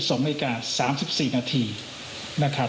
ขออนุญาตแค่นี้ครับ